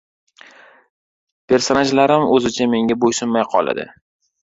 personajlarim o‘zicha menga bo‘ysunmay qoladi.